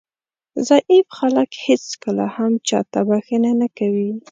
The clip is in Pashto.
ضعیف خلک هېڅکله هم چاته بښنه نه کوي.